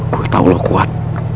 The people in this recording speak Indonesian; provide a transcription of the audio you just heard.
gue tau lo kuat